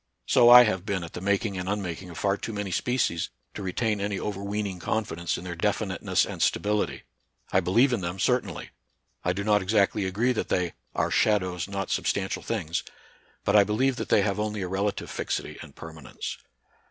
So I have been at the making and unmaking of far too many species to retain any overweening confidence in their definiteness and stability. I believe in them, certainly. I do not exactly agree that they " are shadows, not substantial things," but I believe that they have only a relative fixity and permanence.